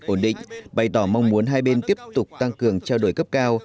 ổn định bày tỏ mong muốn hai bên tiếp tục tăng cường trao đổi cấp cao